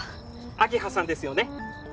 明葉さんですよね？